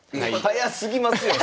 早すぎますよ